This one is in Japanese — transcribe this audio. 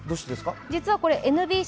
実はこれＮＢＣ